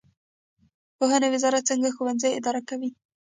پوهنې وزارت څنګه ښوونځي اداره کوي؟